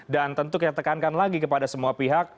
dan tentu kita tekankan lagi kepada semua pihak